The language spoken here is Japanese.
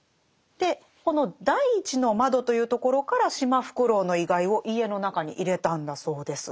でこの「第一の」というところからシマフクロウの遺骸を家の中に入れたんだそうです。